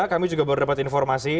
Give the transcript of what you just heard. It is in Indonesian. kami juga baru dapat informasi